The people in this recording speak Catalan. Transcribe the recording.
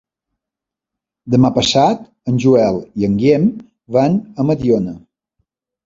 Demà passat en Joel i en Guillem van a Mediona.